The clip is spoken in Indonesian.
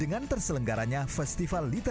mari berkarya dalam puisi dan lagu